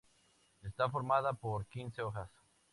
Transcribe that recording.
Está formada por quince hojas.